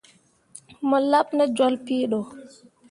Mo laɓ ne jolle pii ɗo.